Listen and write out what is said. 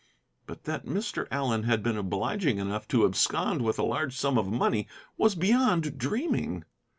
But that Mr. Allen had been obliging enough to abscond with a large sum of money was beyond dreaming!